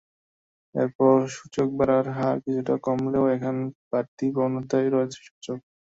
এরপর সূচক বাড়ার হার কিছুটা কমলেও এখনো বাড়তি প্রবণতায় রয়েছে সূচক।